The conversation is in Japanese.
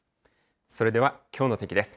それではきょうの天気です。